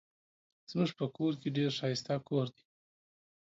زمونږ په کور کې ډير ښايسته کوور دي